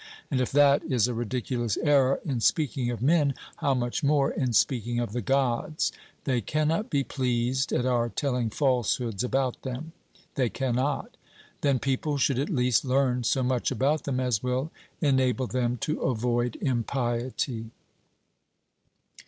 And if that is a ridiculous error in speaking of men, how much more in speaking of the Gods? They cannot be pleased at our telling falsehoods about them. 'They cannot.' Then people should at least learn so much about them as will enable them to avoid impiety.